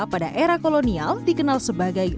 pada era kolonial dikenal sebagai